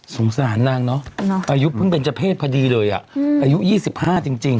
สารนางเนอะอายุเพิ่งเป็นเจ้าเพศพอดีเลยอ่ะอายุ๒๕จริง